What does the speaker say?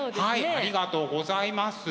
ありがとうございます。